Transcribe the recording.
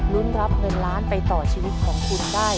รับเงินล้านไปต่อชีวิตของคุณได้